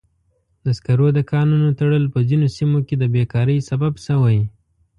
د سکرو د کانونو تړل په ځینو سیمو کې د بیکارۍ سبب شوی.